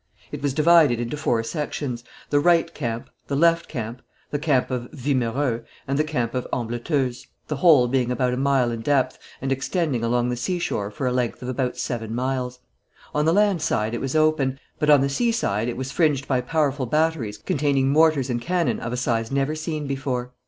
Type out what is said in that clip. It was divided into four sections, the right camp, the left camp, the camp of Wimereux, and the camp of Ambleteuse, the whole being about a mile in depth, and extending along the seashore for a length of about seven miles. On the land side it was open, but on the sea side it was fringed by powerful batteries containing mortars and cannon of a size never seen before.